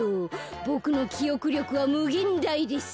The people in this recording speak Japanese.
ボクのきおくりょくはむげんだいです。